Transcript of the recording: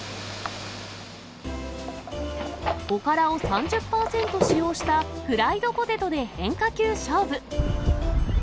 おからを３０％使用したフライドポテトで変化球勝負。